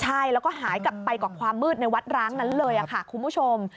ใช่แล้วก็หายกลับไปกว่าความมืดในวัดร้างนั้นเลยค่ะคุณผู้ชม